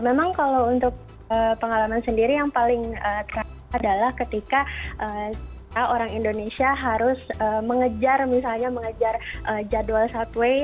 memang kalau untuk pengalaman sendiri yang paling terasa adalah ketika orang indonesia harus mengejar misalnya mengejar jadwal subway